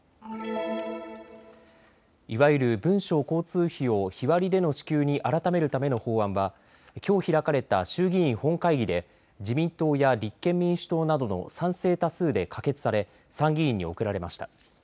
いわゆる文書交通費を日割りでの支給に改めるための法案はきょう開かれた衆議院本会議で自民党や立憲民主党などの賛成多数で可決され参議院に送られました。